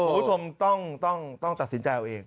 คุณผู้ชมต้องตัดสินใจเอาเอง